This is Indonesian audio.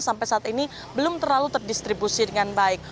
sampai saat ini belum terlalu terdistribusi dengan baik